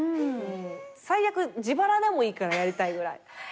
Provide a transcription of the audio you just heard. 最悪自腹でもいいからやりたいぐらい。